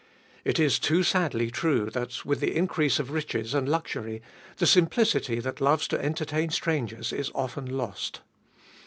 It is too sadly true that, with the increase of riches and luxury, the simplicity that loves to entertain strangers is often lost.